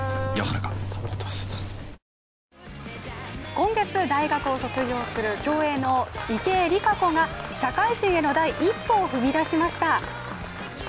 今月、大学を卒業する競泳の池江璃花子が社会人への第一歩を踏み出しました。